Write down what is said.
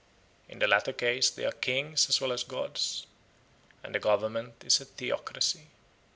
In the latter case they are kings as well as gods, and the government is a theocracy.